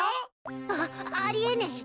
あっあり得ねい。